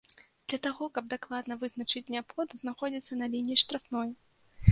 Для таго, каб дакладна вызначыць, неабходна знаходзіцца на лініі штрафной.